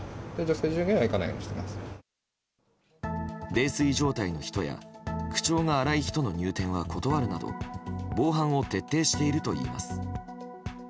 泥酔状態の人や口調が荒い人の入店は断るなど防犯を徹底しているといいます。